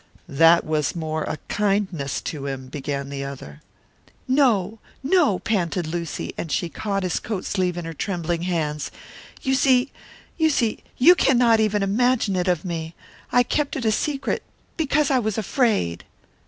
"That was more a kindness to him " began the other. "No, no!" panted Lucy; and she caught his coat sleeve in her trembling hands. "You see, you see you cannot even imagine it of me! I kept it a secret because I was afraid!"